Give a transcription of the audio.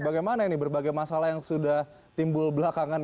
bagaimana ini berbagai masalah yang sudah timbul belakangan